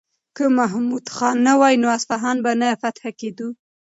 که محمود خان نه وای نو اصفهان به نه فتح کېدو.